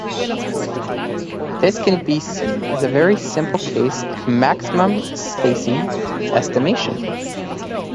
This can be seen as a very simple case of maximum spacing estimation.